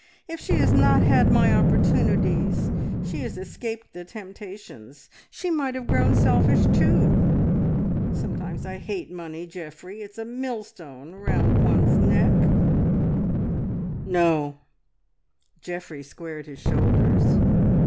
If she has not had my opportunities, she has escaped the temptations; she might have grown selfish too. Sometimes I hate money, Geoffrey; it's a millstone round one's neck." "No!" Geoffrey squared his shoulders.